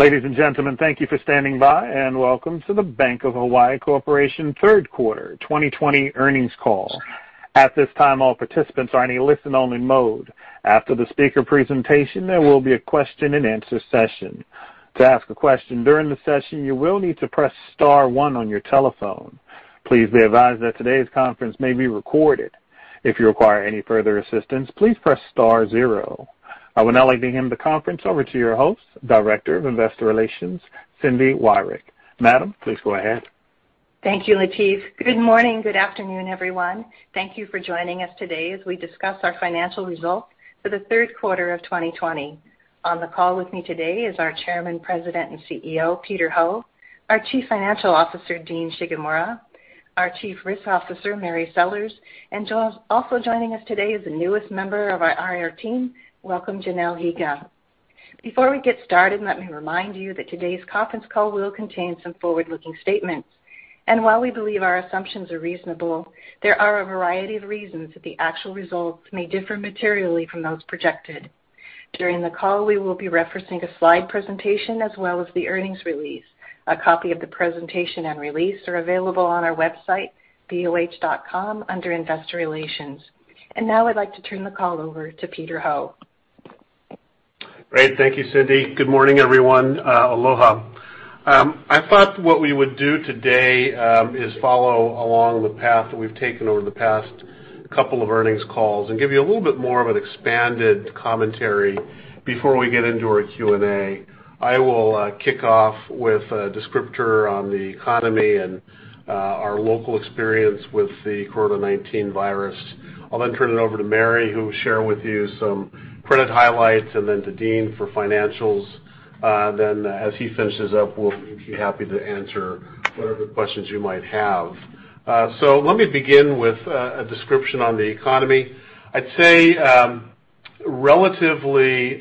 Ladies and gentlemen, thank you for standing by, and welcome to the Bank of Hawaii Corporation third quarter 2020 earnings call. At this time, all participants are in a listen-only mode. After the speaker presentation, there will be a question-and-answer session. To ask a question during the session, you will need to press star one on your telephone. Please be advised that today's conference may be recorded. If you require any further assistance, please press star zero. I would now like to hand the conference over to your host, Director of Investor Relations, Cindy Wyrick. Madam, please go ahead. Thank you, Latif. Good morning, good afternoon, everyone. Thank you for joining us today as we discuss our financial results for the third quarter of 2020. On the call with me today is our Chairman, President, and CEO, Peter Ho, our Chief Financial Officer, Dean Shigemura, our Chief Risk Officer, Mary Sellers, and also joining us today is the newest member of our IR team, welcome Janelle Higa. Before we get started, let me remind you that today's conference call will contain some forward-looking statements. While we believe our assumptions are reasonable, there are a variety of reasons that the actual results may differ materially from those projected. During the call, we will be referencing a slide presentation as well as the earnings release. A copy of the presentation and release are available on our website, boh.com, under Investor Relations. Now I'd like to turn the call over to Peter Ho. Great. Thank you, Cindy. Good morning, everyone. Aloha. I thought what we would do today is follow along the path that we've taken over the past couple of earnings calls and give you a little bit more of an expanded commentary before we get into our Q&A. I will kick off with a descriptor on the economy and our local experience with the COVID-19 virus. I'll then turn it over to Mary, who will share with you some credit highlights, and then to Dean for financials. As he finishes up, we'll be happy to answer whatever questions you might have. Let me begin with a description on the economy. I'd say relatively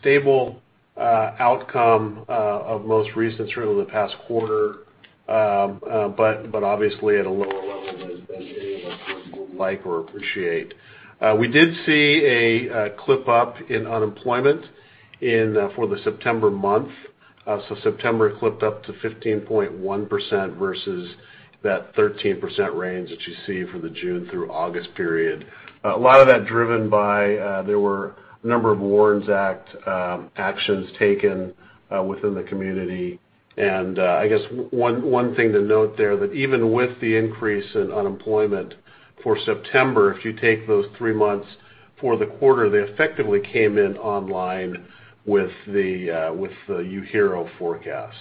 stable outcome of most recent, certainly the past quarter, but obviously at a lower level than any of us would like or appreciate. We did see a clip up in unemployment for the September month. September clipped up to 15.1% versus that 13% range that you see for the June through August period. A lot of that driven by, there were a number of WARN Act actions taken within the community. I guess one thing to note there, that even with the increase in unemployment for September, if you take those three months for the quarter, they effectively came in online with the UHERO forecast.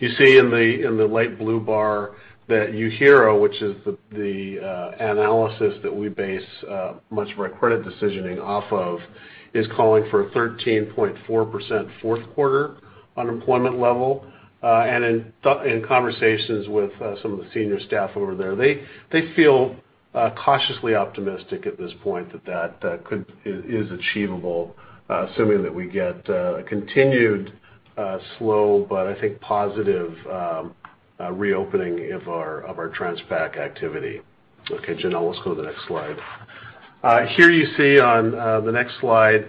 You see in the light blue bar that UHERO, which is the analysis that we base much of our credit decisioning off of, is calling for a 13.4% fourth quarter unemployment level. In conversations with some of the senior staff over there, they feel cautiously optimistic at this point that that is achievable, assuming that we get a continued slow, but I think positive reopening of our Transpac activity. Okay, Janelle, let's go to the next slide. Here you see on the next slide,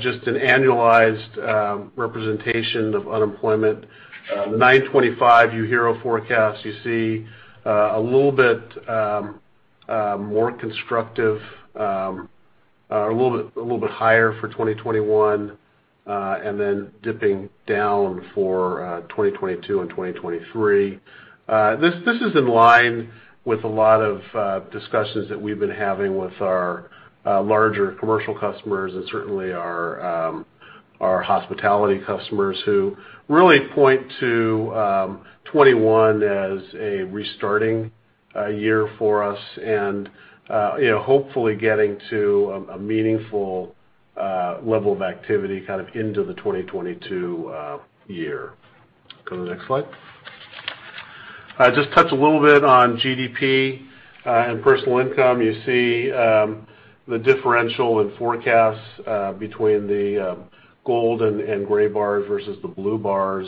just an annualized representation of unemployment. The 9/25 UHERO forecast, you see a little bit more constructive, or a little bit higher for 2021, and then dipping down for 2022 and 2023. This is in line with a lot of discussions that we've been having with our larger commercial customers and certainly our hospitality customers who really point to 2021 as a restarting year for us and hopefully getting to a meaningful level of activity kind of into the 2022 year. Go to the next slide. Just touch a little bit on GDP and personal income. You see the differential in forecasts between the gold and gray bars versus the blue bars.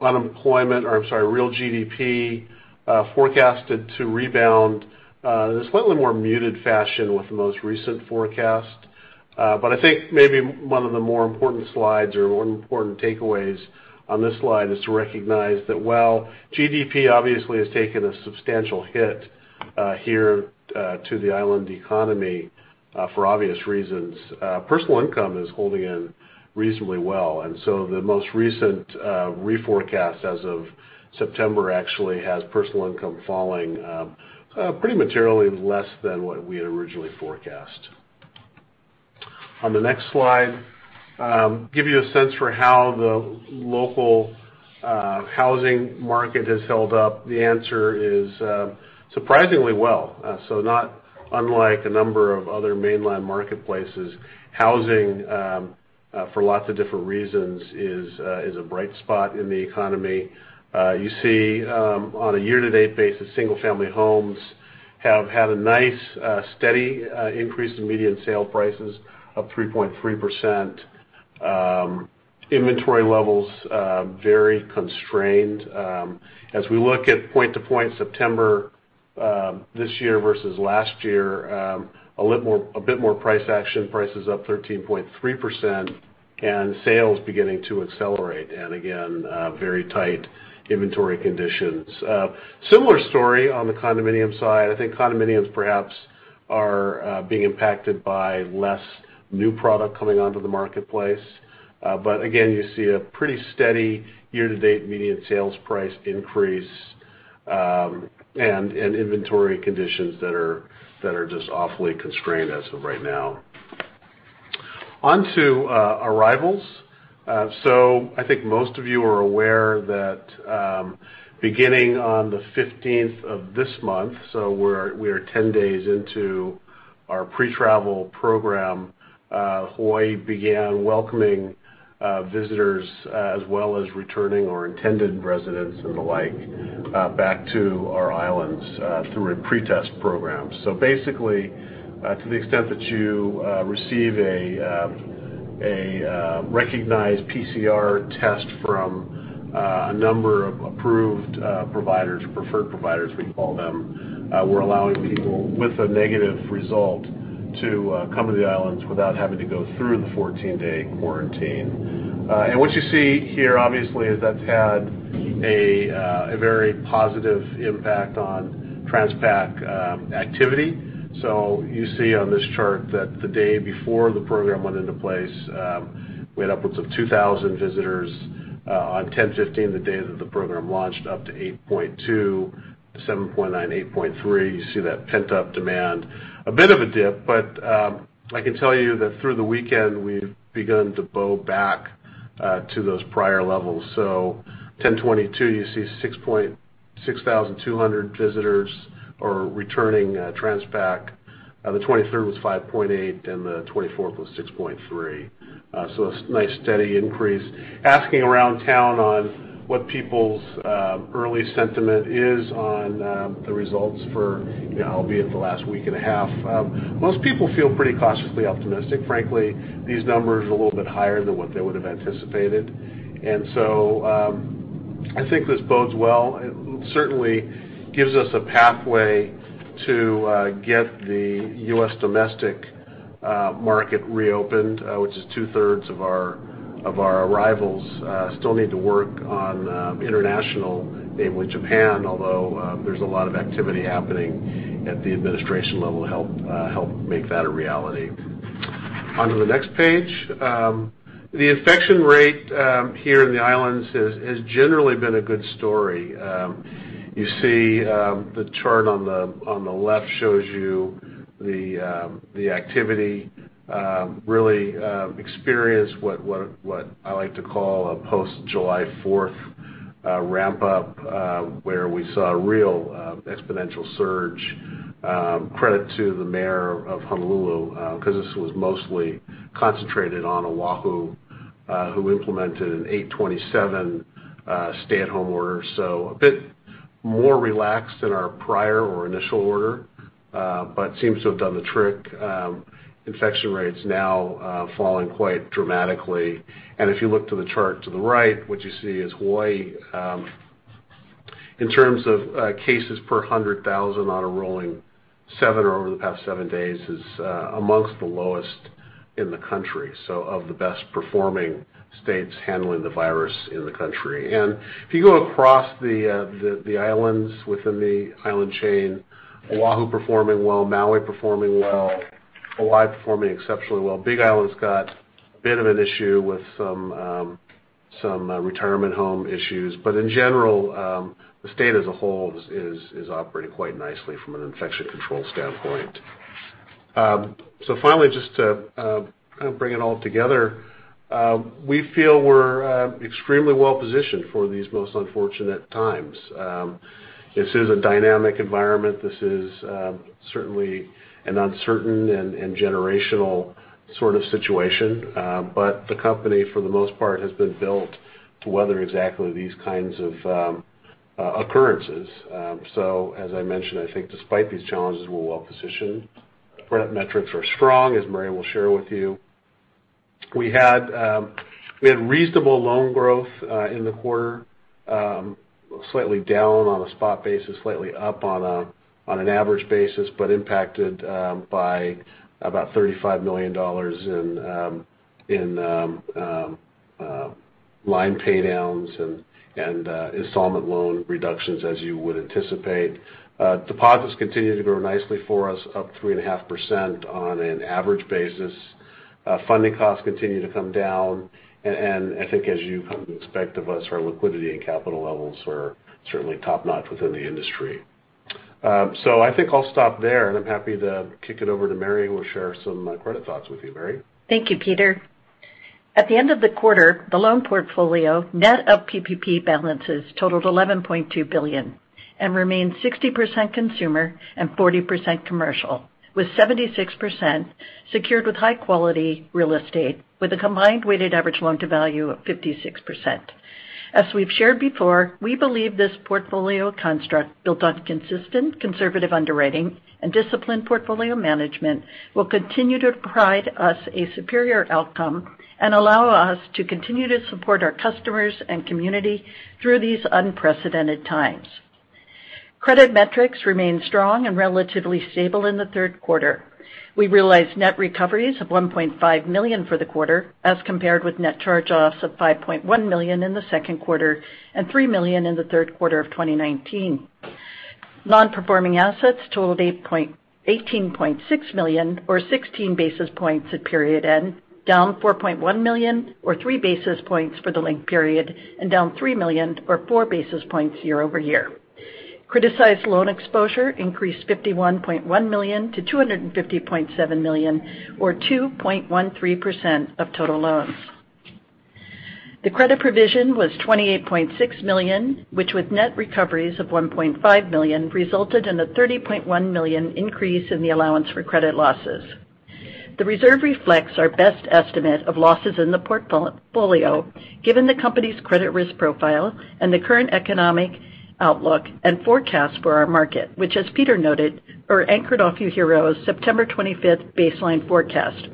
Real GDP forecasted to rebound in a slightly more muted fashion with the most recent forecast. I think maybe one of the more important slides or one important takeaways on this slide is to recognize that while GDP obviously has taken a substantial hit here to the island economy for obvious reasons, personal income is holding in reasonably well. The most recent reforecast as of September actually has personal income falling pretty materially less than what we had originally forecast. On the next slide, give you a sense for how the local housing market has held up. The answer is surprisingly well. Not unlike a number of other mainland marketplaces, housing, for lots of different reasons, is a bright spot in the economy. You see on a year-to-date basis, single-family homes have had a nice steady increase in median sale prices of 3.3%. Inventory levels very constrained. As we look at point-to-point September this year versus last year, a bit more price action. Price is up 13.3%, and sales beginning to accelerate, and again, very tight inventory conditions. Similar story on the condominium side. I think condominiums perhaps are being impacted by less new product coming onto the marketplace. Again, you see a pretty steady year-to-date median sales price increase, and inventory conditions that are just awfully constrained as of right now. On to arrivals. I think most of you are aware that beginning on the 15th of this month, we are 10 days into our pre-travel program, Hawaii began welcoming visitors as well as returning or intended residents and the like back to our islands through a pre-test program. Basically, to the extent that you receive a recognized PCR test from a number of approved providers, preferred providers, we call them, we're allowing people with a negative result to come to the islands without having to go through the 14-day quarantine. What you see here, obviously, is that's had a very positive impact on Transpac activity. You see on this chart that the day before the program went into place, we had upwards of 2,000 visitors. On 10/15, the day that the program launched, up to 8.2, 7.9, 8.3. You see that pent-up demand. A bit of a dip, I can tell you that through the weekend, we've begun to bow back to those prior levels. 10/22, you see 6,200 visitors are returning Transpac. The 23rd was 5.8, the 24th was 6.3, a nice, steady increase. Asking around town on what people's early sentiment is on the results for, albeit the last week and a half, most people feel pretty cautiously optimistic. Frankly, these numbers are a little bit higher than what they would have anticipated. I think this bodes well. It certainly gives us a pathway to get the U.S. domestic market reopened, which is two-thirds of our arrivals still need to work on international, namely Japan, although there's a lot of activity happening at the administration level to help make that a reality. On to the next page. The infection rate here in the islands has generally been a good story. You see the chart on the left shows you the activity really experienced what I like to call a post July 4th ramp up where we saw a real exponential surge. Credit to the mayor of Honolulu because this was mostly concentrated on Oahu, who implemented an 8/27 stay-at-home order. A bit more relaxed than our prior or initial order, but seems to have done the trick. Infection rates now falling quite dramatically. If you look to the chart to the right, what you see is Hawaii, in terms of cases per 100,000 on a rolling seven or over the past seven days, is amongst the lowest in the country, so of the best performing states handling the virus in the country. If you go across the islands within the island chain, Oahu performing well, Maui performing well, Hawaii performing exceptionally well. Big Island's got a bit of an issue with some retirement home issues. In general, the state as a whole is operating quite nicely from an infection control standpoint. Finally, just to kind of bring it all together, we feel we're extremely well-positioned for these most unfortunate times. This is a dynamic environment. This is certainly an uncertain and generational sort of situation. The company, for the most part, has been built to weather exactly these kinds of occurrences. As I mentioned, I think despite these challenges, we're well-positioned. Credit metrics are strong, as Mary will share with you. We had reasonable loan growth in the quarter, slightly down on a spot basis, slightly up on an average basis, impacted by about $35 million in line pay downs and installment loan reductions, as you would anticipate. Deposits continue to grow nicely for us, up 3.5% on an average basis. Funding costs continue to come down. I think as you come to expect of us, our liquidity and capital levels are certainly top-notch within the industry. I think I'll stop there, and I'm happy to kick it over to Mary, who will share some credit thoughts with you. Mary? Thank you, Peter. At the end of the quarter, the loan portfolio, net of PPP balances, totaled $11.2 billion and remains 60% consumer and 40% commercial, with 76% secured with high-quality real estate with a combined weighted average loan-to-value of 56%. As we've shared before, we believe this portfolio construct built on consistent conservative underwriting and disciplined portfolio management will continue to provide us a superior outcome and allow us to continue to support our customers and community through these unprecedented times. Credit metrics remain strong and relatively stable in the third quarter. We realized net recoveries of $1.5 million for the quarter, as compared with net charge-offs of $5.1 million in the second quarter and $3 million in the third quarter of 2019. Non-performing assets totaled $18.6 million or 16 basis points at period end, down $4.1 million or three basis points for the linked period, and down $3 million or four basis points year-over-year. Criticized loan exposure increased $51.1 million to $250.7 million or 2.13% of total loans. The credit provision was $28.6 million, which with net recoveries of $1.5 million, resulted in a $30.1 million increase in the allowance for credit losses. The reserve reflects our best estimate of losses in the portfolio, given the company's credit risk profile and the current economic outlook and forecast for our market, which as Peter noted, are anchored off UHERO's September 25th baseline forecast.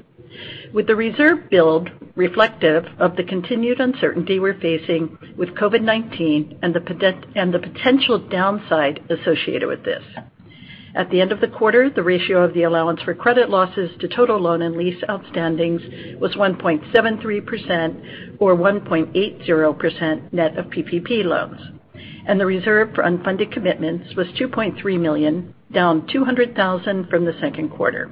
With the reserve build reflective of the continued uncertainty we're facing with COVID-19 and the potential downside associated with this. At the end of the quarter, the ratio of the allowance for credit losses to total loan and lease outstandings was 1.73%, or 1.80% net of PPP loans. The reserve for unfunded commitments was $2.3 million, down $200,000 from the second quarter.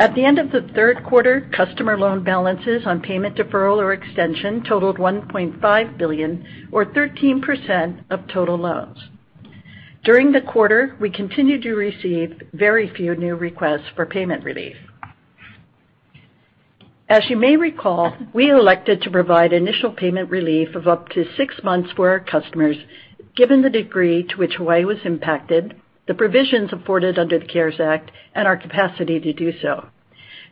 At the end of the third quarter, customer loan balances on payment deferral or extension totaled $1.5 billion or 13% of total loans. During the quarter, we continued to receive very few new requests for payment relief. As you may recall, we elected to provide initial payment relief of up to six months for our customers, given the degree to which Hawaii was impacted, the provisions afforded under the CARES Act, and our capacity to do so.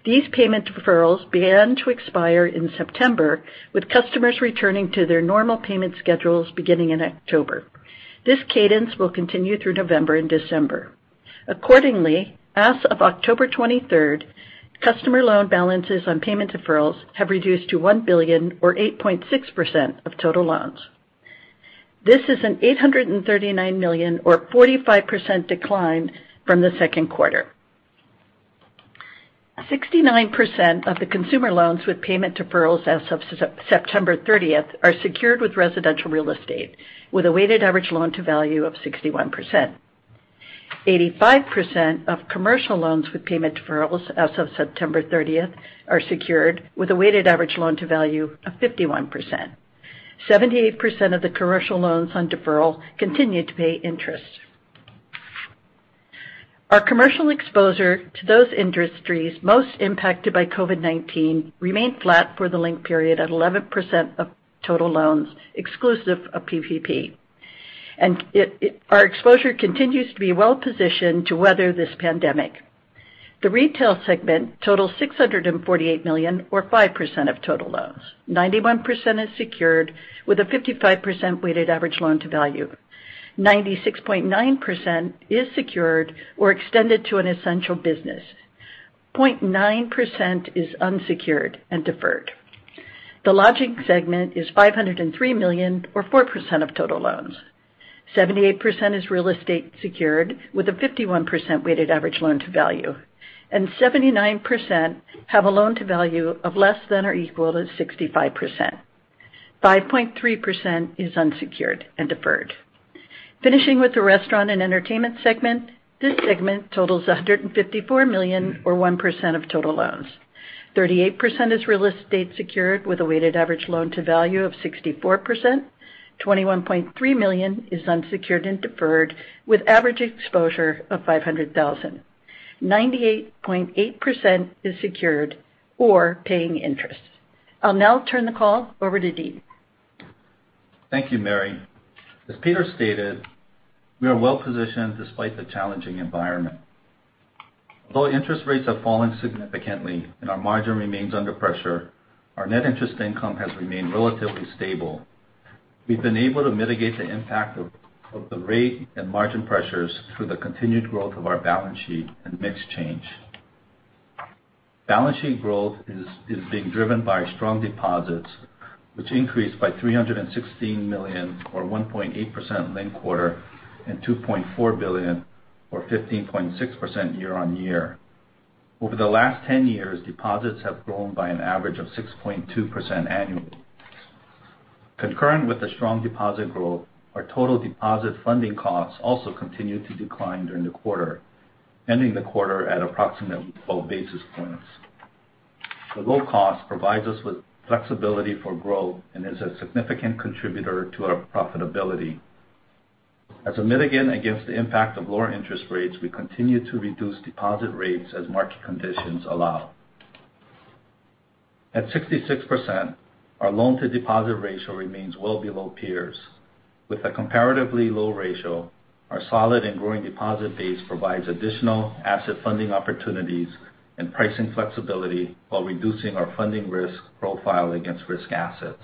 These payment deferrals began to expire in September, with customers returning to their normal payment schedules beginning in October. This cadence will continue through November and December. Accordingly, as of October 23rd, customer loan balances on payment deferrals have reduced to $1 billion, or 8.6% of total loans. This is an $839 million or 45% decline from the second quarter. 69% of the consumer loans with payment deferrals as of September 30th are secured with residential real estate, with a weighted average loan to value of 61%. 85% of commercial loans with payment deferrals as of September 30th are secured with a weighted average loan to value of 51%. 78% of the commercial loans on deferral continued to pay interest. Our commercial exposure to those industries most impacted by COVID-19 remained flat for the linked period at 11% of total loans, exclusive of PPP. Our exposure continues to be well-positioned to weather this pandemic. The retail segment totals $648 million or 5% of total loans. 91% is secured with a 55% weighted average loan to value. 96.9% is secured or extended to an essential business. 0.9% is unsecured and deferred. The lodging segment is $503 million or 4% of total loans. 78% is real estate secured with a 51% weighted average loan to value, and 79% have a loan to value of less than or equal to 65%. 5.3% is unsecured and deferred. Finishing with the restaurant and entertainment segment, this segment totals $154 million or 1% of total loans. 38% is real estate secured with a weighted average loan to value of 64%. $21.3 million is unsecured and deferred with average exposure of $500,000. 98.8% is secured or paying interest. I'll now turn the call over to Dean. Thank you, Mary. As Peter stated, we are well-positioned despite the challenging environment. Although interest rates have fallen significantly and our net interest margin remains under pressure, our net interest income has remained relatively stable. We've been able to mitigant the impact of the rate and margin pressures through the continued growth of our balance sheet and mix change. Balance sheet growth is being driven by strong deposits, which increased by $316 million or 1.8% linked quarter and $2.4 billion or 15.6% year-on-year. Over the last 10 years, deposits have grown by an average of 6.2% annually. Concurrent with the strong deposit growth, our total deposit funding costs also continued to decline during the quarter, ending the quarter at approximately 12 basis points. The low cost provides us with flexibility for growth and is a significant contributor to our profitability. As a mitigant against the impact of lower interest rates, we continue to reduce deposit rates as market conditions allow. At 66%, our loan to deposit ratio remains well below peers. With a comparatively low ratio, our solid and growing deposit base provides additional asset funding opportunities and pricing flexibility while reducing our funding risk profile against risk assets.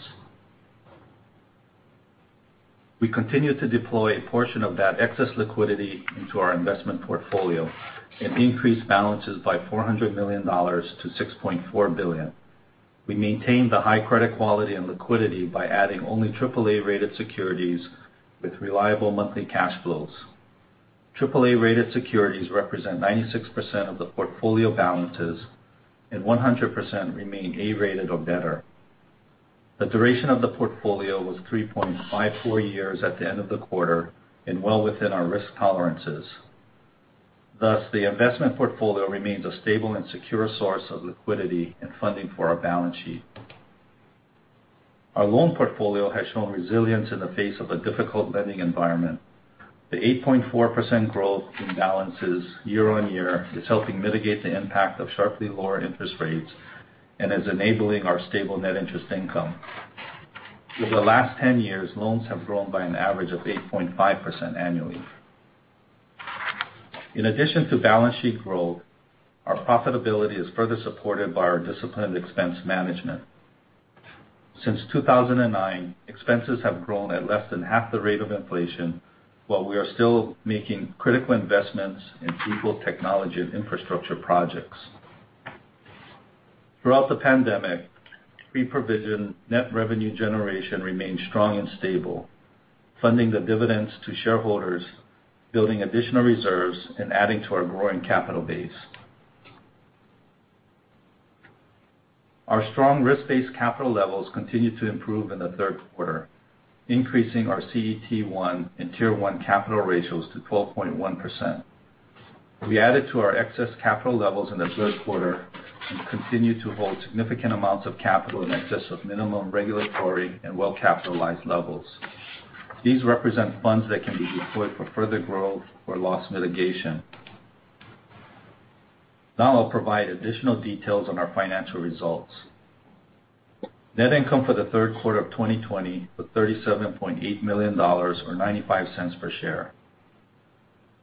We continue to deploy a portion of that excess liquidity into our investment portfolio and increase balances by $400 million to $6.4 billion. We maintained the high credit quality and liquidity by adding only triple A-rated securities with reliable monthly cash flows. Triple A-rated securities represent 96% of the portfolio balances, and 100% remain A-rated or better. The duration of the portfolio was 3.54 years at the end of the quarter and well within our risk tolerances. Thus, the investment portfolio remains a stable and secure source of liquidity and funding for our balance sheet. Our loan portfolio has shown resilience in the face of a difficult lending environment. The 8.4% growth in balances year-on-year is helping mitigant the impact of sharply lower interest rates and is enabling our stable net interest income. Over the last 10 years, loans have grown by an average of 8.5% annually. In addition to balance sheet growth, our profitability is further supported by our disciplined expense management. Since 2009, expenses have grown at less than half the rate of inflation while we are still making critical investments in people, technology, and infrastructure projects. Throughout the pandemic, pre-provision net revenue generation remained strong and stable, funding the dividends to shareholders, building additional reserves, and adding to our growing capital base. Our strong risk-based capital levels continued to improve in the third quarter, increasing our CET1 and Tier 1 capital ratios to 12.1%. We added to our excess capital levels in the third quarter and continue to hold significant amounts of capital in excess of minimum regulatory and well-capitalized levels. These represent funds that can be deployed for further growth or loss mitigation. I'll provide additional details on our financial results. Net income for the third quarter of 2020 was $37.8 million, or $0.95 per share.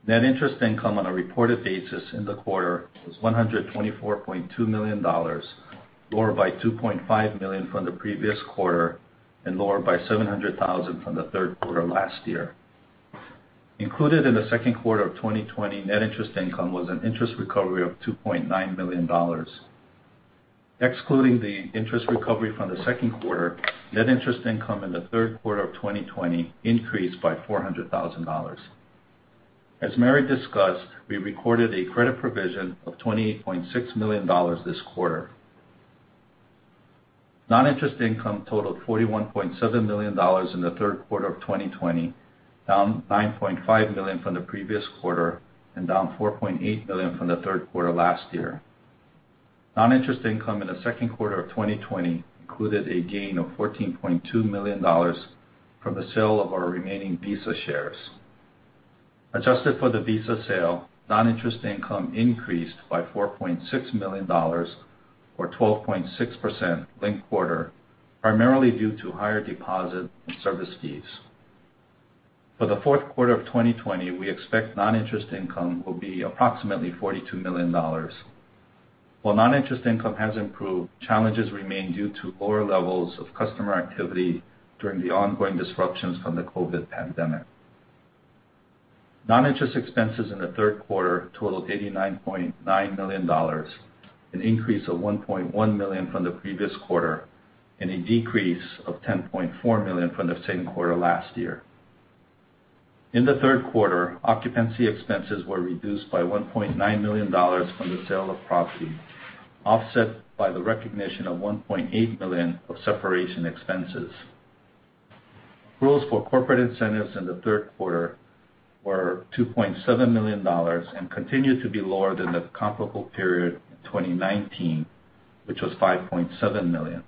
Net interest income on a reported basis in the quarter was $124.2 million, lower by $2.5 million from the previous quarter and lower by $700,000 from the third quarter last year. Included in the second quarter of 2020 net interest income was an interest recovery of $2.9 million. Excluding the interest recovery from the second quarter, net interest income in the third quarter of 2020 increased by $400,000. As Mary discussed, we recorded a credit provision of $28.6 million this quarter. Non-interest income totaled $41.7 million in the third quarter of 2020, down $9.5 million from the previous quarter and down $4.8 million from the third quarter last year. Non-interest income in the second quarter of 2020 included a gain of $14.2 million from the sale of our remaining Visa shares. Adjusted for the Visa sale, non-interest income increased by $4.6 million, or 12.6%, linked quarter, primarily due to higher deposit and service fees. For the fourth quarter of 2020, we expect non-interest income will be approximately $42 million. While non-interest income has improved, challenges remain due to lower levels of customer activity during the ongoing disruptions from the COVID-19 pandemic. Non-interest expenses in the third quarter totaled $89.9 million, an increase of $1.1 million from the previous quarter and a decrease of $10.4 million from the same quarter last year. In the third quarter, occupancy expenses were reduced by $1.9 million from the sale of property, offset by the recognition of $1.8 million of separation expenses. Accruals for corporate incentives in the third quarter were $2.7 million and continued to be lower than the comparable period in 2019, which was $5.7 million.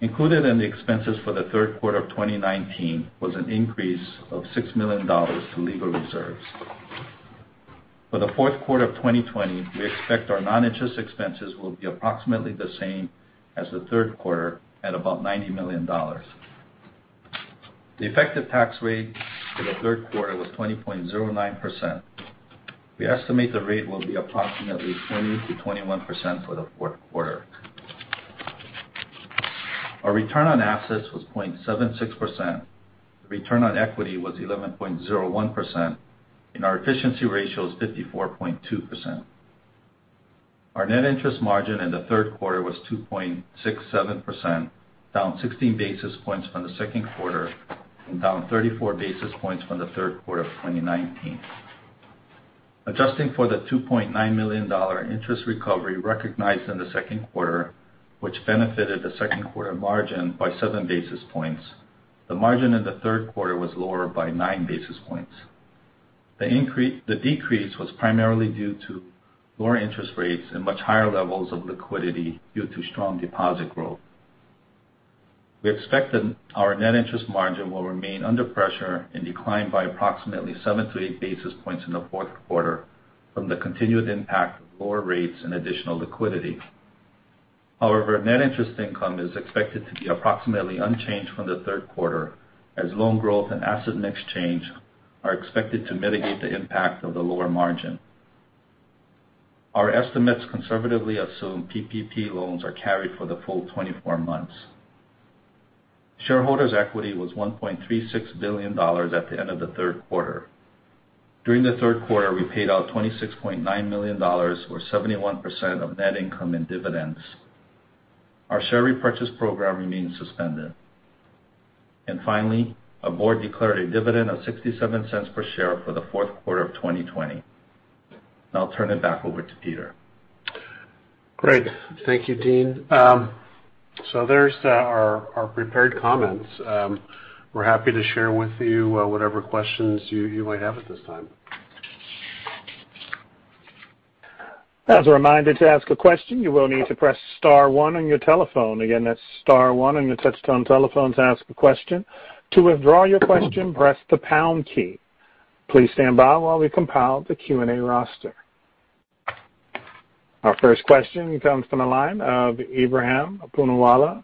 Included in the expenses for the third quarter of 2019 was an increase of $6 million to legal reserves. For the fourth quarter of 2020, we expect our non-interest expenses will be approximately the same as the third quarter at about $90 million. The effective tax rate for the third quarter was 20.09%. We estimate the rate will be approximately 20%-21% for the fourth quarter. Our return on assets was 0.76%. The return on equity was 11.01%, and our efficiency ratio is 54.2%. Our net interest margin in the third quarter was 2.67%, down 16 basis points from the second quarter and down 34 basis points from the third quarter of 2019. Adjusting for the $2.9 million interest recovery recognized in the second quarter, which benefited the second quarter margin by seven basis points, the margin in the third quarter was lower by nine basis points. The decrease was primarily due to lower interest rates and much higher levels of liquidity due to strong deposit growth. We expect that our net interest margin will remain under pressure and decline by approximately seven to eight basis points in the fourth quarter from the continued impact of lower rates and additional liquidity. However, net interest income is expected to be approximately unchanged from the third quarter as loan growth and asset mix change are expected to mitigant the impact of the lower margin. Our estimates conservatively assume PPP loans are carried for the full 24 months. Shareholders' equity was $1.36 billion at the end of the third quarter. During the third quarter, we paid out $26.9 million, or 71% of net income in dividends. Our share repurchase program remains suspended. Finally, our board declared a dividend of $0.67 per share for the fourth quarter of 2020. I'll turn it back over to Peter. Great. Thank you, Dean. There's our prepared comments. We're happy to share with you whatever questions you might have at this time. As a reminder, to ask a question, you will need to press star one on your telephone. Again, that's star one on your touch-tone telephone to ask a question. To withdraw your question, press the pound key. Please stand by while we compile the Q&A roster. Our first question comes from the line of Ebrahim Poonawala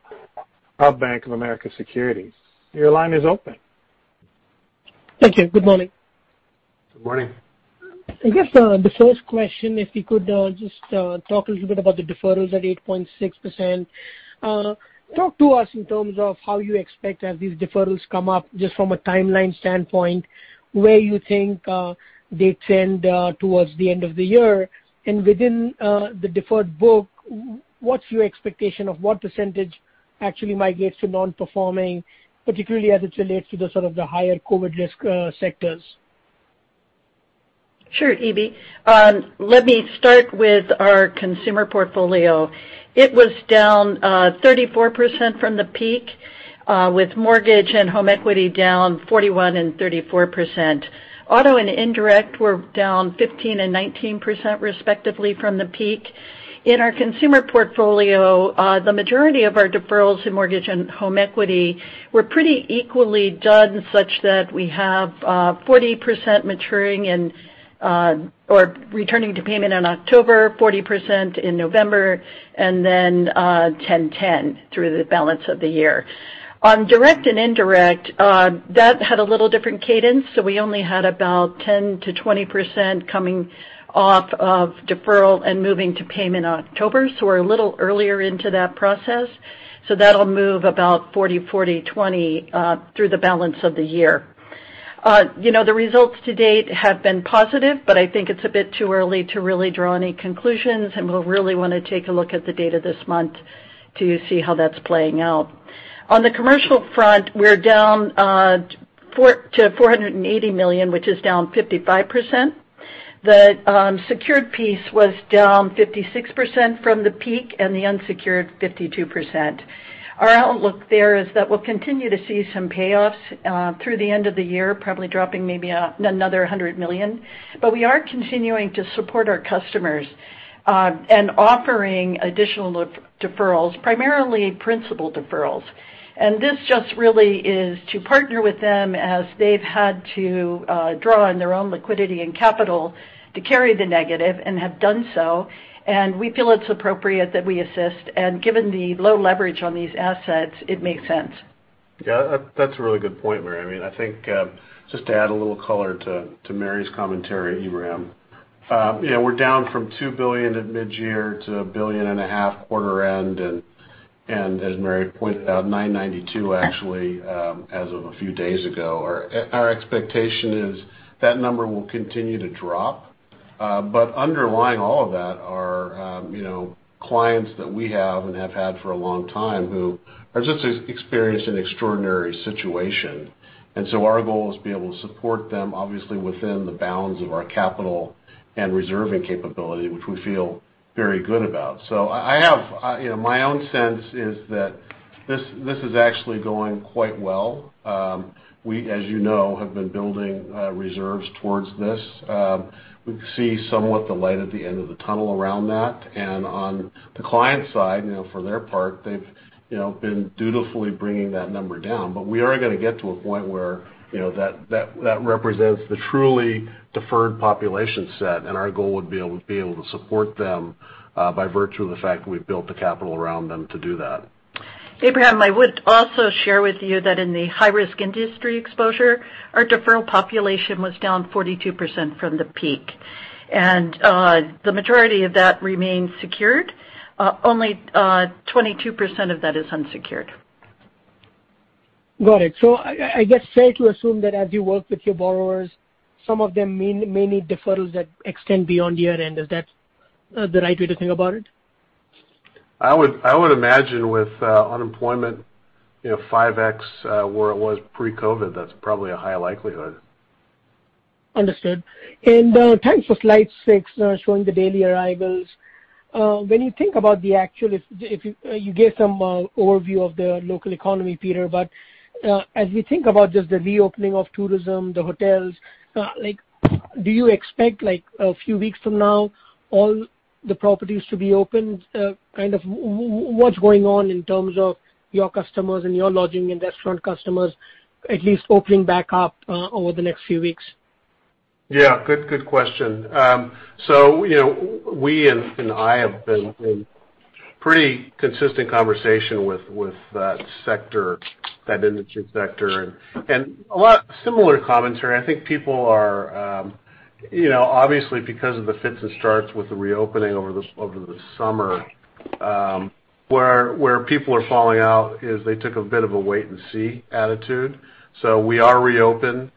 of Bank of America Securities. Your line is open. Thank you. Good morning. Good morning. I guess the first question, if you could just talk a little bit about the deferrals at 8.6%. Talk to us in terms of how you expect as these deferrals come up, just from a timeline standpoint, where you think they trend towards the end of the year. Within the deferred book, what's your expectation of what percentage actually migrates to non-performing, particularly as it relates to the higher COVID risk sectors? Sure, Eb. Let me start with our consumer portfolio. It was down 34% from the peak, with mortgage and home equity down 41% and 34%. Auto and indirect were down 15% and 19%, respectively, from the peak. In our consumer portfolio, the majority of our deferrals in mortgage and home equity were pretty equally done such that we have 40% maturing or returning to payment in October, 40% in November, and then 10/10 through the balance of the year. On direct and indirect, that had a little different cadence, we only had about 10%-20% coming off of deferral and moving to payment October. We're a little earlier into that process. That'll move about 40/40/20 through the balance of the year. The results to date have been positive, but I think it's a bit too early to really draw any conclusions, and we'll really want to take a look at the data this month to see how that's playing out. On the commercial front, we're down to $480 million, which is down 55%. The secured piece was down 56% from the peak, and the unsecured 52%. Our outlook there is that we'll continue to see some payoffs through the end of the year, probably dropping maybe another $100 million. We are continuing to support our customers and offering additional deferrals, primarily principal deferrals. This just really is to partner with them as they've had to draw on their own liquidity and capital to carry the negative, and have done so. We feel it's appropriate that we assist, and given the low leverage on these assets, it makes sense. Yeah, that's a really good point, Mary. I think just to add a little color to Mary's commentary, Ebrahim. We're down from $2 billion at mid-year to a billion and a half quarter end, and as Mary pointed out, $992 actually as of a few days ago. Our expectation is that number will continue to drop. Underlying all of that are clients that we have and have had for a long time who have just experienced an extraordinary situation. Our goal is to be able to support them, obviously within the bounds of our capital and reserving capability, which we feel very good about. My own sense is that this is actually going quite well. We, as you know, have been building reserves towards this. We see somewhat the light at the end of the tunnel around that. On the client side, for their part, they've been dutifully bringing that number down. We are going to get to a point where that represents the truly deferred population set, and our goal would be able to support them by virtue of the fact that we've built the capital around them to do that. Ebrahim, I would also share with you that in the high-risk industry exposure, our deferral population was down 42% from the peak. The majority of that remains secured. Only 22% of that is unsecured. Got it. I guess safe to assume that as you work with your borrowers, some of them may need deferrals that extend beyond year-end. Is that the right way to think about it? I would imagine with unemployment 5x where it was pre-COVID, that's probably a high likelihood. Understood. Thanks for slide six showing the daily arrivals. You gave some overview of the local economy, Peter, but as we think about just the reopening of tourism, the hotels, do you expect a few weeks from now, all the properties to be opened? What's going on in terms of your customers and your lodging and restaurant customers at least opening back up over the next few weeks? Yeah. Good question. We and I have been in pretty consistent conversation with that industry sector. A lot similar commentary. I think obviously because of the fits and starts with the reopening over the summer, where people are falling out is they took a bit of a wait and see attitude. We are reopened.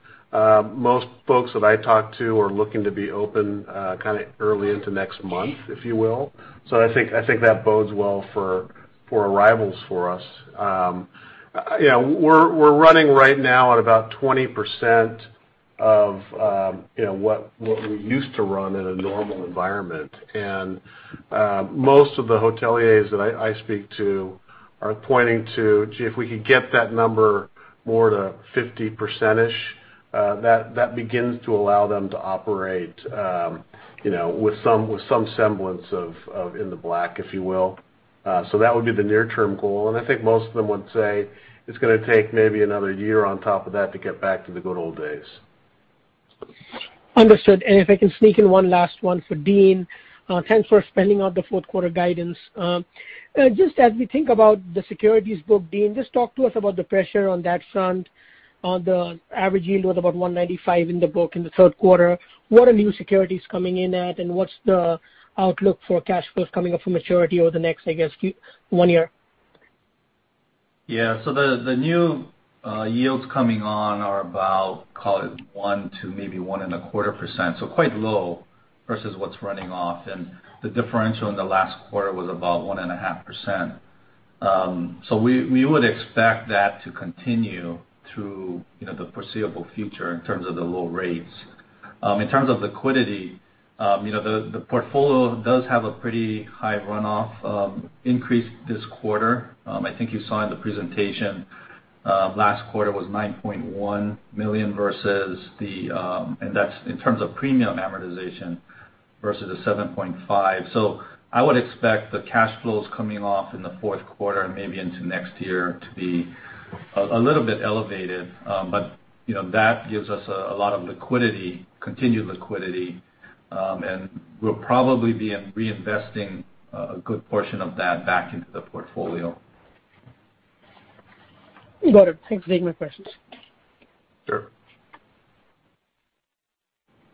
Most folks that I talk to are looking to be open early into next month, if you will. I think that bodes well for arrivals for us. We're running right now at about 20% of what we used to run in a normal environment. Most of the hoteliers that I speak to are pointing to, "Gee, if we could get that number more to 50%-ish," that begins to allow them to operate with some semblance of in the black, if you will. That would be the near term goal, and I think most of them would say it's going to take maybe another year on top of that to get back to the good old days. Understood. If I can sneak in one last one for Dean. Thanks for spelling out the fourth quarter guidance. Just as we think about the securities book, Dean, just talk to us about the pressure on that front, on the average yield with about 195 in the book in the third quarter. What are new securities coming in at, and what's the outlook for cash flows coming up for maturity over the next, I guess, one year? The new yields coming on are about, call it 1% to maybe 1.25%. Quite low versus what's running off, and the differential in the last quarter was about 1.5%. We would expect that to continue through the foreseeable future in terms of the low rates. In terms of liquidity, the portfolio does have a pretty high runoff increase this quarter. I think you saw in the presentation, last quarter was $9.1 million in terms of premium amortization versus $7.5 million. I would expect the cash flows coming off in the fourth quarter and maybe into next year to be a little bit elevated. That gives us a lot of liquidity, continued liquidity. We'll probably be reinvesting a good portion of that back into the portfolio. Got it. Thanks for taking my questions. Sure.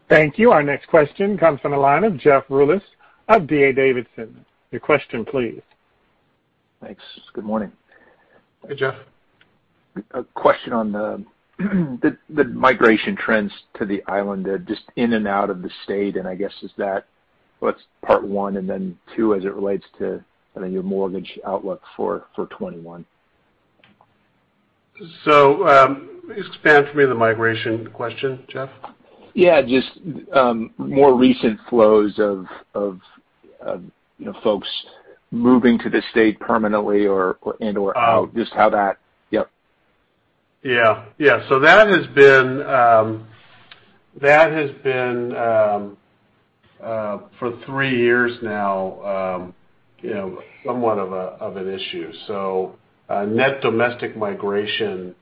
Thank you. Our next question comes from the line of Jeff Rulis of D.A. Davidson. Your question please. Thanks. Good morning. Hey, Jeff. A question on the migration trends to the island, just in and out of the state, and I guess is that what's part one, and then two as it relates to your mortgage outlook for 2021? Expand for me the migration question, Jeff. Yeah. Just more recent flows of folks moving to the state permanently and/or out. yep. Yeah. That has been, for three years now, somewhat of an issue. Net domestic migration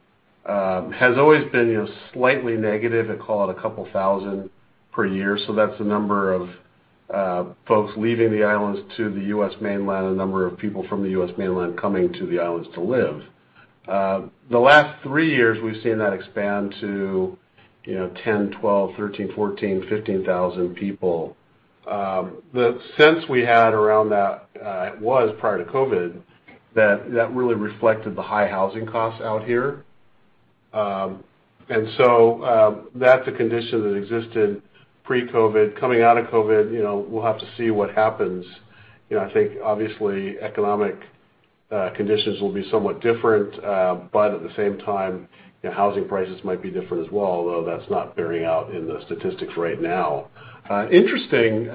has always been slightly negative at, call it, a couple thousand per year. That's the number of folks leaving the islands to the U.S. mainland, and the number of people from the U.S. mainland coming to the islands to live. The last three years, we've seen that expand to 10,000, 12,000, 13,000, 14,000, 15,000 people. The sense we had around that was prior to COVID-19, that that really reflected the high housing costs out here. That's a condition that existed pre-COVID-19. Coming out of COVID-19, we'll have to see what happens. I think obviously economic conditions will be somewhat different, but at the same time, housing prices might be different as well, although that's not bearing out in the statistics right now. Interesting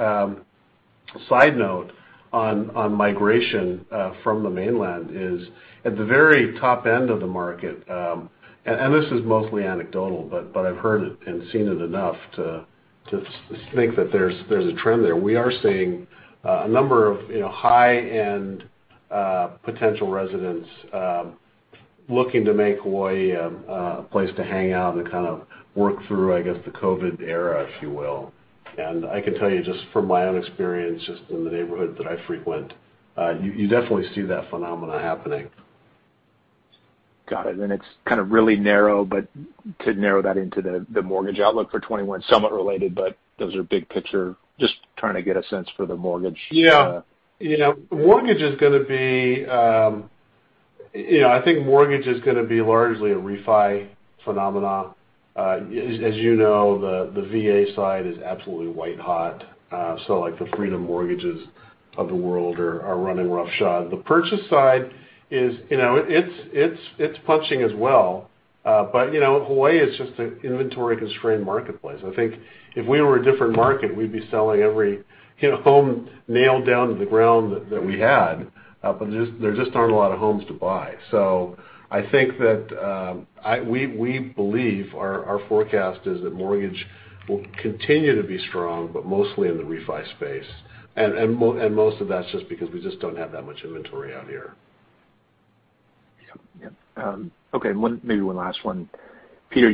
side note on migration from the mainland is at the very top end of the market, and this is mostly anecdotal, but I've heard it and seen it enough to think that there's a trend there. We are seeing a number of high-end potential residents looking to make Hawaii a place to hang out and kind of work through, I guess, the COVID-19 era, if you will. I can tell you just from my own experience, just in the neighborhood that I frequent, you definitely see that phenomena happening. Got it. It's kind of really narrow, but to narrow that into the mortgage outlook for 2021, somewhat related, but those are big picture. I'm just trying to get a sense for the mortgage. Yeah. I think mortgage is going to be largely a refi phenomena. As you know, the VA side is absolutely white hot. Like the Freedom Mortgage of the world are running roughshod. The purchase side, it's punching as well. Hawaii is just an inventory-constrained marketplace. I think if we were a different market, we'd be selling every home nailed down to the ground that we had. There just aren't a lot of homes to buy. I think that we believe our forecast is that mortgage will continue to be strong, but mostly in the refi space. Most of that's just because we just don't have that much inventory out here. Yep. Okay. Maybe one last one. Peter,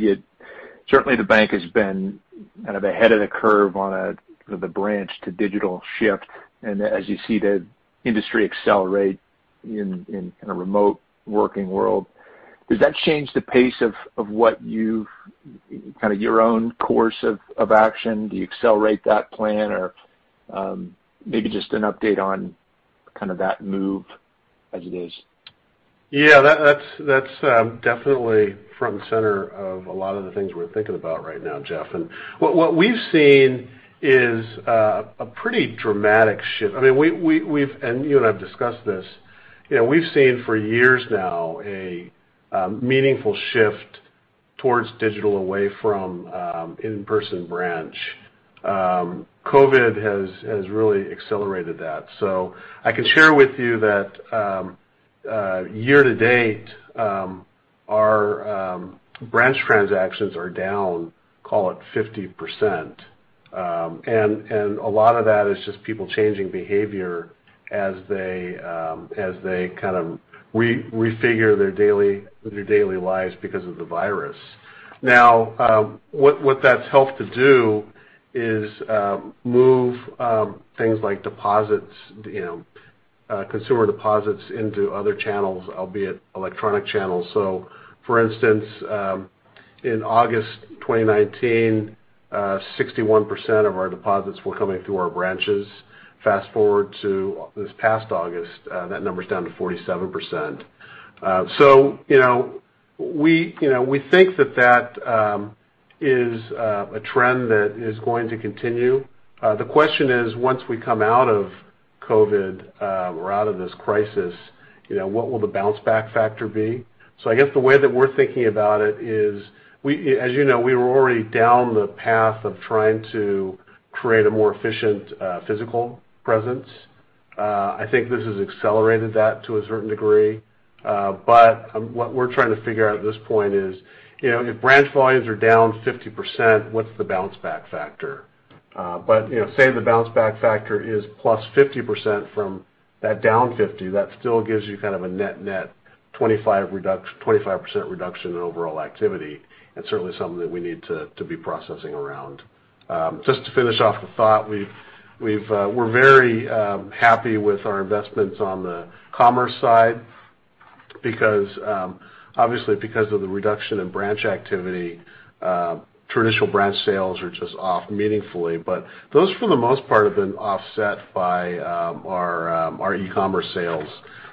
certainly the bank has been kind of ahead of the curve on the branch to digital shift, and as you see the industry accelerate in a remote working world, does that change the pace of kind of your own course of action? Do you accelerate that plan? Maybe just an update on kind of that move as it is. Yeah. That's definitely front and center of a lot of the things we're thinking about right now, Jeff. What we've seen is a pretty dramatic shift. You and I have discussed this. We've seen for years now a meaningful shift towards digital, away from in-person branch. COVID has really accelerated that. I can share with you that year-to-date, our branch transactions are down, call it 50%. A lot of that is just people changing behavior as they kind of refigure their daily lives because of the virus. Now, what that's helped to do is move things like consumer deposits into other channels, albeit electronic channels. For instance, in August 2019, 61% of our deposits were coming through our branches. Fast-forward to this past August, that number's down to 47%. We think that is a trend that is going to continue. The question is, once we come out of COVID or out of this crisis, what will the bounce back factor be? I guess the way that we're thinking about it is, as you know, we were already down the path of trying to create a more efficient physical presence. I think this has accelerated that to a certain degree. What we're trying to figure out at this point is, if branch volumes are down 50%, what's the bounce back factor? Say the bounce back factor is +50% from that down 50%, that still gives you kind of a net 25% reduction in overall activity, and certainly something that we need to be processing around. Just to finish off the thought, we're very happy with our investments on the commerce side. Obviously because of the reduction in branch activity, traditional branch sales are just off meaningfully. Those, for the most part, have been offset by our e-commerce sales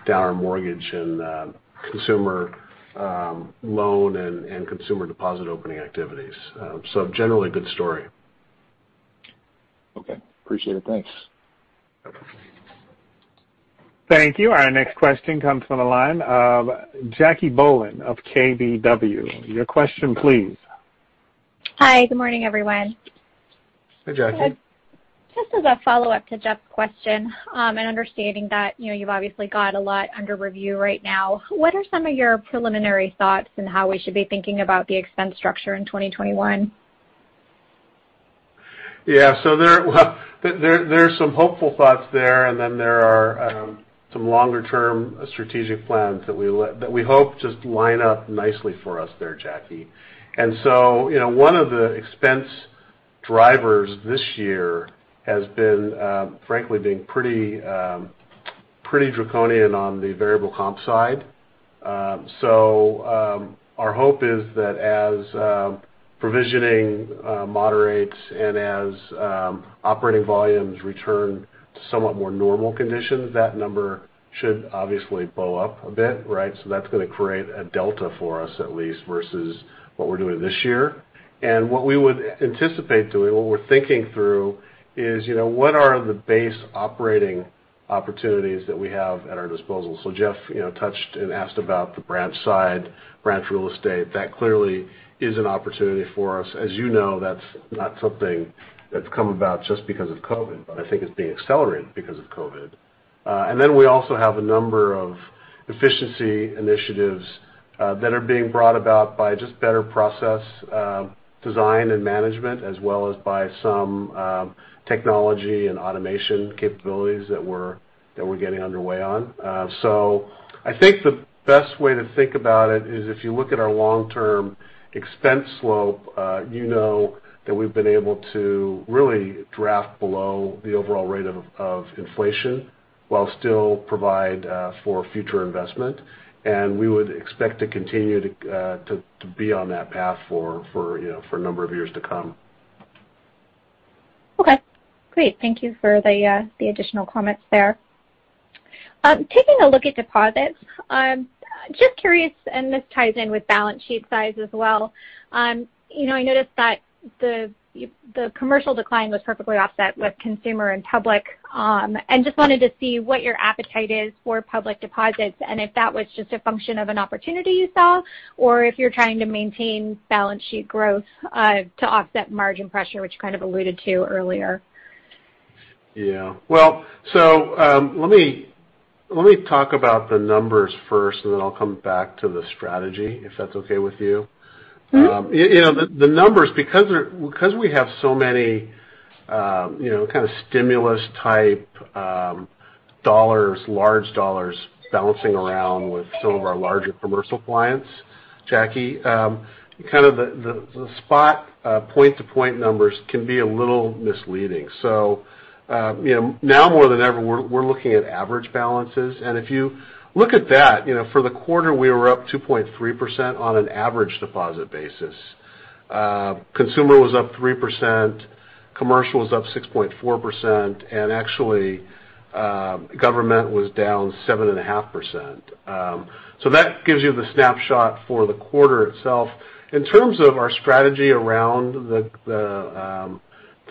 down our mortgage and consumer loan and consumer deposit opening activities. Generally a good story. Okay. Appreciate it. Thanks. Okay. Thank you. Our next question comes from the line of Jacquelynne Bohlen of KBW. Your question please. Hi, good morning, everyone. Hi, Jacque. Just as a follow-up to Jeff's question, and understanding that you've obviously got a lot under review right now, what are some of your preliminary thoughts in how we should be thinking about the expense structure in 2021? Yeah. There's some hopeful thoughts there, and then there are some longer-term strategic plans that we hope just line up nicely for us there, Jackie. One of the expense drivers this year has been, frankly, being pretty draconian on the variable comp side. Our hope is that as provisioning moderates and as operating volumes return to somewhat more normal conditions, that number should obviously blow up a bit, right? That's going to create a delta for us, at least, versus what we're doing this year. What we would anticipate doing, what we're thinking through is, what are the base operating opportunities that we have at our disposal? Jeff touched and asked about the branch side, branch real estate. That clearly is an opportunity for us. As you know, that's not something that's come about just because of COVID, but I think it's being accelerated because of COVID. We also have a number of efficiency initiatives that are being brought about by just better process design and management, as well as by some technology and automation capabilities that we're getting underway on. I think the best way to think about it is if you look at our long-term expense slope, you know that we've been able to really draft below the overall rate of inflation while still provide for future investment. We would expect to continue to be on that path for a number of years to come. Okay, great. Thank you for the additional comments there. Taking a look at deposits, just curious, and this ties in with balance sheet size as well. I noticed that the commercial decline was perfectly offset with consumer and public. Just wanted to see what your appetite is for public deposits, and if that was just a function of an opportunity you saw, or if you're trying to maintain balance sheet growth to offset margin pressure, which you kind of alluded to earlier. Yeah. Well, let me talk about the numbers first, and then I'll come back to the strategy, if that's okay with you. The numbers, because we have so many kind of stimulus-type dollars, large dollars bouncing around with some of our larger commercial clients, Jackie, the spot point-to-point numbers can be a little misleading. Now more than ever, we're looking at average balances. If you look at that, for the quarter, we were up 2.3% on an average deposit basis. Consumer was up 3%, commercial was up 6.4%, and actually, government was down 7.5%. That gives you the snapshot for the quarter itself. In terms of our strategy around the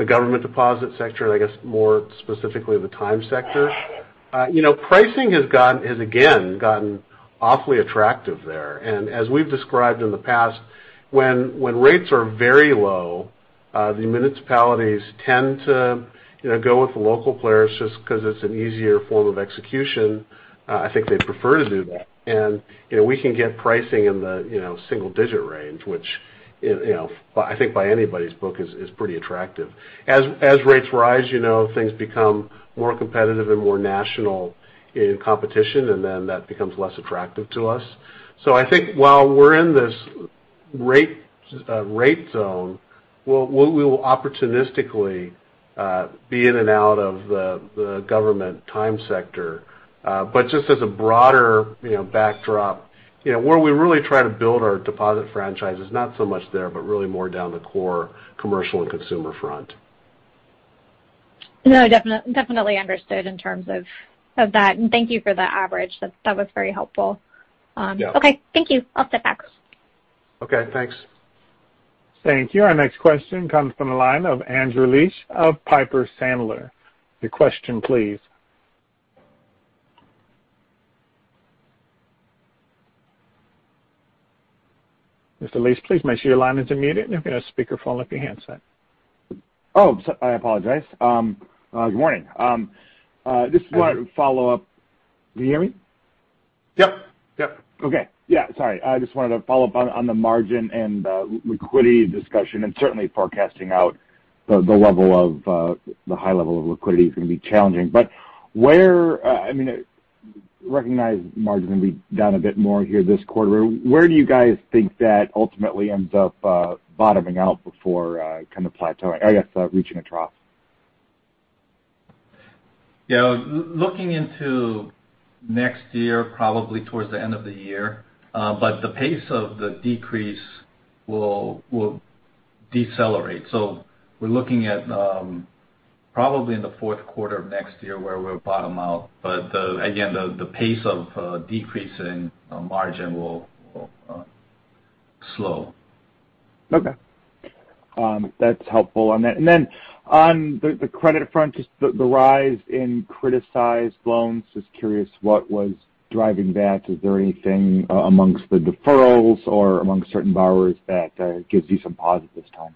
government deposit sector, and I guess more specifically the time sector, pricing has again gotten awfully attractive there. As we've described in the past, when rates are very low, the municipalities tend to go with the local players just because it's an easier form of execution. I think they prefer to do that. We can get pricing in the single-digit range, which I think by anybody's book is pretty attractive. As rates rise, things become more competitive and more national in competition, that becomes less attractive to us. I think while we're in this rate zone, we will opportunistically be in and out of the government time sector. Just as a broader backdrop, where we really try to build our deposit franchise is not so much there, but really more down the core commercial and consumer front. No, definitely understood in terms of that. Thank you for the average. That was very helpful. Yeah. Okay, thank you. I'll step back. Okay, thanks. Thank you. Our next question comes from the line of Andrew Liesch of Piper Sandler. Your question, please. Mr. Liesch, please make sure your line is unmuted, and you can speakerphone up your handset. Oh, I apologize. Good morning. I just wanted to follow up. Can you hear me? Yep. Okay. Yeah, sorry. I just wanted to follow up on the margin and the liquidity discussion, and certainly forecasting out the high level of liquidity is going to be challenging. I recognize margin's going to be down a bit more here this quarter. Where do you guys think that ultimately ends up bottoming out before kind of plateauing, I guess reaching a trough? Looking into next year, probably towards the end of the year. The pace of the decrease will decelerate. We're looking at probably in the fourth quarter of next year where we'll bottom out. Again, the pace of decreasing margin will slow. Okay. That's helpful on that. On the credit front, just the rise in criticized loans, just curious what was driving that. Is there anything amongst the deferrals or amongst certain borrowers that gives you some pause at this time?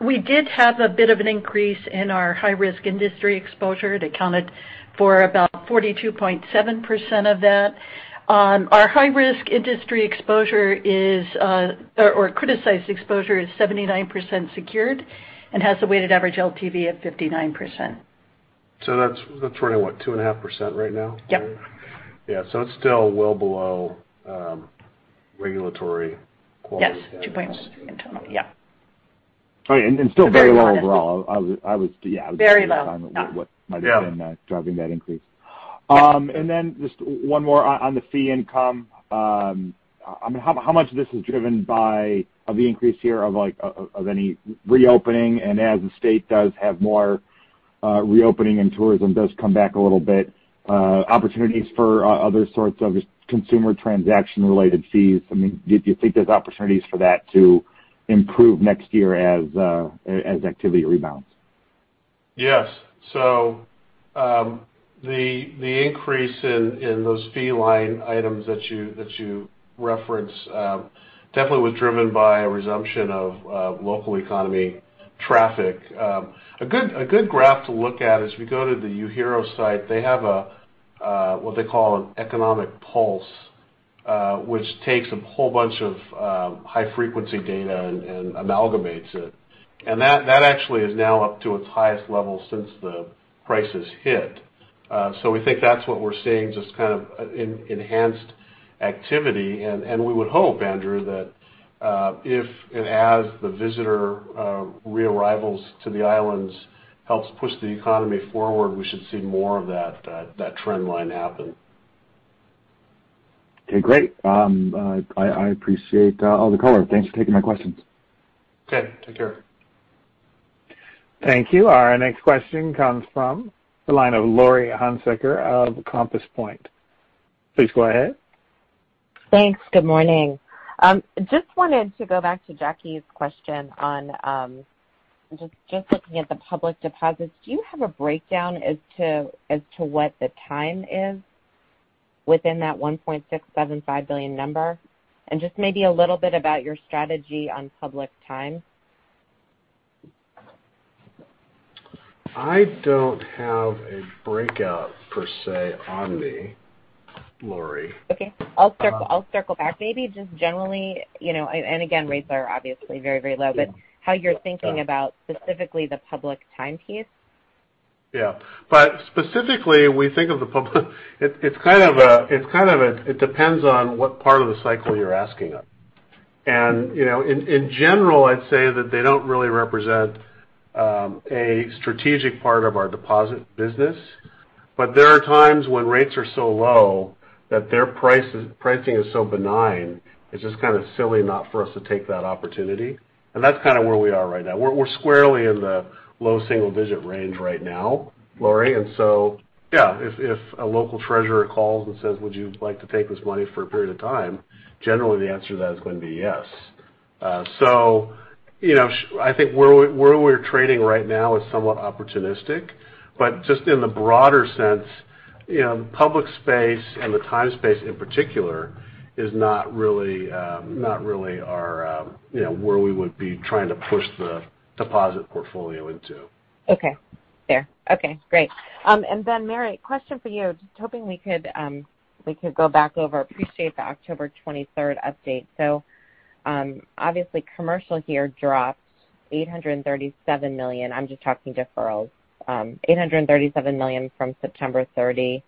We did have a bit of an increase in our high-risk industry exposure. It accounted for about 42.7% of that. Our high-risk industry exposure is, or criticized exposure is 79% secured and has a weighted average LTV of 59%. That's running, what, 2.5% right now? Yep. Yeah. It's still well below regulatory quality. Yes, 2.6 internally, yeah. Still very low overall. Very low. Just trying to what might've been driving that increase. Just one more on the fee income. How much of this is driven by the increase here of any reopening and as the state does have more reopening and tourism does come back a little bit, opportunities for other sorts of consumer transaction-related fees? Do you think there's opportunities for that to improve next year as activity rebounds? Yes. The increase in those fee line items that you referenced definitely was driven by a resumption of local economy traffic. A good graph to look at is if you go to the UHERO site, they have what they call an economic pulse, which takes a whole bunch of high-frequency data and amalgamates it. That actually is now up to its highest level since the crisis hit. We think that's what we're seeing, just kind of enhanced activity. We would hope, Andrew, that if it has the visitor rearrivals to the islands helps push the economy forward, we should see more of that trend line happen. Okay, great. I appreciate all the color. Thanks for taking my questions. Okay. Take care. Thank you. Our next question comes from the line of Laurie Hunsicker of Compass Point. Please go ahead. Thanks. Good morning. Just wanted to go back to Jackie's question on just looking at the public deposits. Do you have a breakdown as to what the time is within that $1.675 billion number? Just maybe a little bit about your strategy on public time. I don't have a breakout per se on me, Laurie. Okay. I'll circle back. Again, rates are obviously very low, but how you're thinking about specifically the public time piece. Yeah. Specifically, it depends on what part of the cycle you're asking us. In general, I'd say that they don't really represent a strategic part of our deposit business, but there are times when rates are so low that their pricing is so benign, it's just kind of silly not for us to take that opportunity. That's kind of where we are right now. We're squarely in the low single-digit range right now, Laurie. Yeah, if a local treasurer calls and says, "Would you like to take this money for a period of time?" Generally, the answer to that is going to be yes. I think where we're trading right now is somewhat opportunistic, but just in the broader sense, the public space and the time space in particular is not really where we would be trying to push the deposit portfolio into. Okay. Fair. Okay, great. Mary, question for you. Just hoping we could go back over. Appreciate the October 23rd update. Obviously commercial here dropped $837 million. I'm just talking deferrals. $837 million from September 30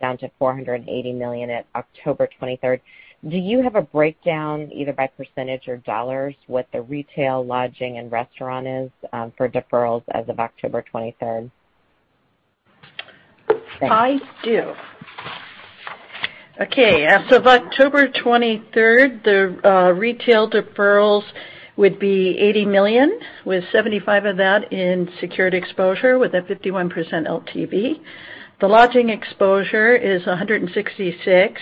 down to $480 million at October 23rd. Do you have a breakdown either by percentage or dollars what the retail lodging and restaurant is for deferrals as of October 23rd? Thanks. I do. Okay. As of October 23rd, the retail deferrals would be $80 million with $75 million of that in secured exposure with a 51% LTV. The lodging exposure is $166 million.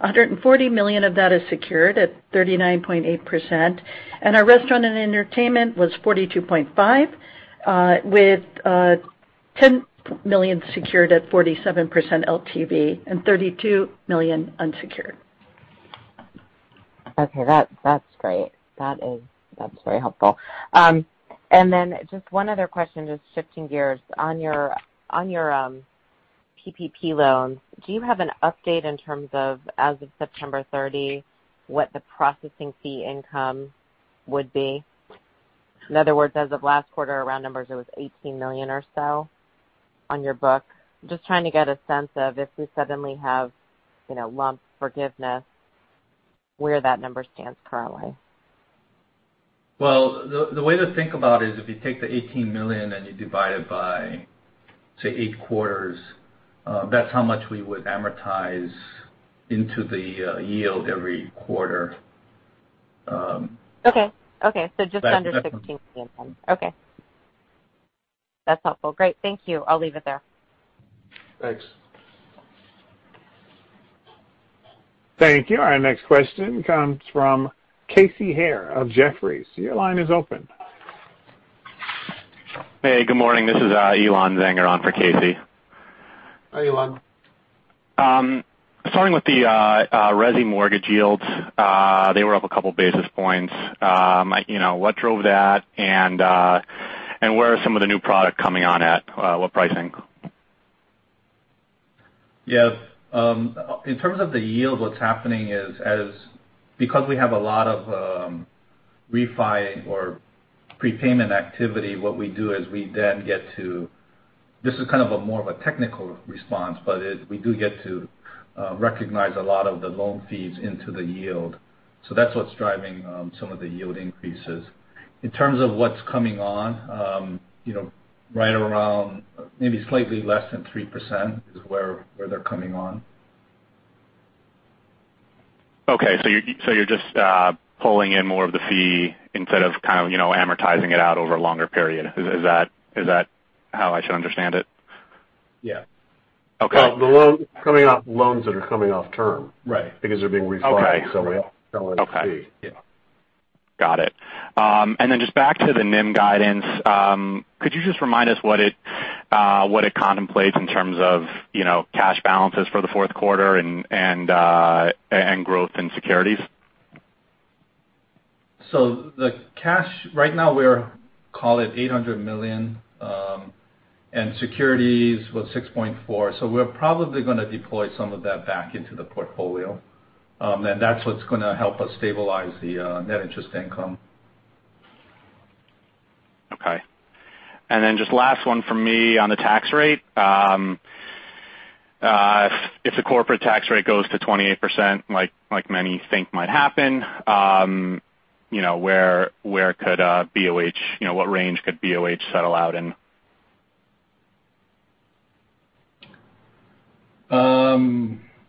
$140 million of that is secured at 39.8%, Our restaurant and entertainment was $42.5 million, with $10 million secured at 47% LTV and $32 million unsecured. Okay. That's great. That's very helpful. Then just one other question, just shifting gears. On your PPP loans, do you have an update in terms of, as of September 30, what the processing fee income would be? In other words, as of last quarter, our round numbers, it was $18 million or so on your book. I'm just trying to get a sense of if we suddenly have lump forgiveness, where that number stands currently. Well, the way to think about it is if you take the $18 million and you divide it by, say, eight quarters, that's how much we would amortize into the yield every quarter. Okay. Just under $16 million then. Okay. That's helpful. Great. Thank you. I'll leave it there. Thanks. Thank you. Our next question comes from Casey Haire of Jefferies. Your line is open. Hey, good morning. This is Elan Zanger on for Casey. Hi, Elan. Starting with the resi mortgage yields. They were up a couple basis points. What drove that, and where are some of the new product coming on at? What pricing? Yes. In terms of the yield, what's happening is because we have a lot of refi or prepayment activity, what we do is this is kind of a more of a technical response, but we do get to recognize a lot of the loan fees into the yield. That's what's driving some of the yield increases. In terms of what's coming on, right around maybe slightly less than 3% is where they're coming on. You're just pulling in more of the fee instead of kind of amortizing it out over a longer period. Is that how I should understand it? Yeah. Okay. Well, the loans that are coming off term. Right. Because they're being refinanced. Okay. So we fee. Yeah. Got it. Just back to the NIM guidance, could you just remind us what it contemplates in terms of cash balances for the fourth quarter and growth in securities? The cash right now, we are, call it $800 million, and securities was $6.4. We're probably going to deploy some of that back into the portfolio. That's what's going to help us stabilize the net interest income. Okay. Then just last one from me on the tax rate. If the corporate tax rate goes to 28%, like many think might happen, what range could BOH settle out in?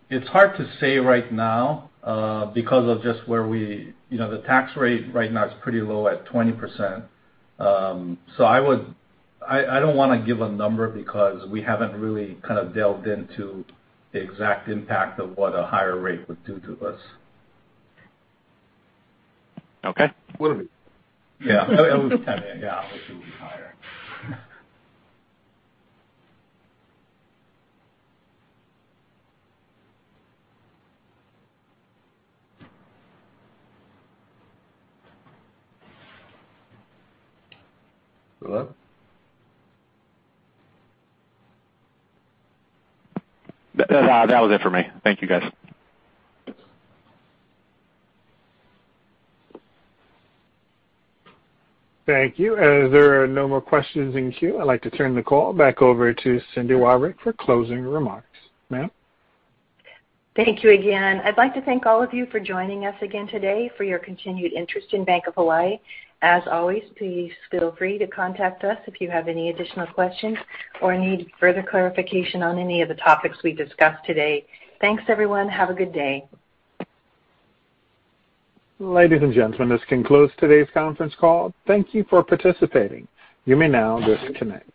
It's hard to say right now because of just the tax rate right now is pretty low at 20%. I don't want to give a number because we haven't really kind of delved into the exact impact of what a higher rate would do to us. Okay. Would it be? Yeah. It would be 10. Yeah. It would be higher. Hello? That was it for me. Thank you, guys. Thank you. As there are no more questions in queue, I'd like to turn the call back over to Cindy Wyrick for closing remarks. Ma'am. Thank you again. I'd like to thank all of you for joining us again today for your continued interest in Bank of Hawaii. As always, please feel free to contact us if you have any additional questions or need further clarification on any of the topics we discussed today. Thanks, everyone. Have a good day. Ladies and gentlemen, this concludes today's conference call. Thank you for participating. You may now disconnect.